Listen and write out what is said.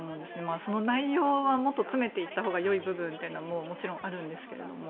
その内容はもっと詰めていったほうが良いというのはもちろんあるんですけど。